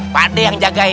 padahal yang jagain